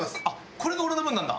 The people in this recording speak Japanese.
これが俺の分なんだ。